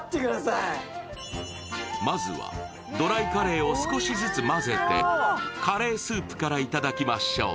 まずは、ドライカレーを少しずつ混ぜてカレースープからいただきましょう。